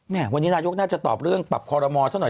วันนี้นายกน่าจะตอบเรื่องปรับคอรมอซะหน่อย